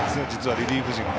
リリーフ陣が。